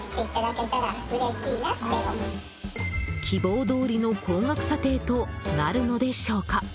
希望どおりの高額査定となるのでしょうか？